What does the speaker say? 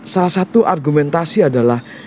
salah satu argumentasi adalah